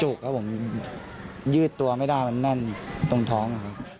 จุกครับผมยืดตัวไม่ได้มันนั่นตรงท้อง